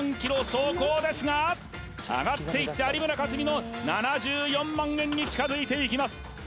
上がっていって有村架純の７４万円に近づいていきます